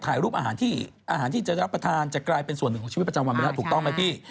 ถ่ายรูปอาหารที่อาหารที่จะรับประทานจะกลายเป็นส่วนหนึ่งของชีวิตประจำวันไปแล้วถูกต้องไหมพี่